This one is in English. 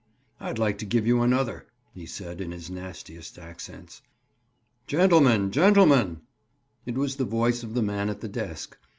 "I'd like to give you another," he said in his nastiest accents. "Gentlemen! Gentlemen!" It was the voice of the man at the desk.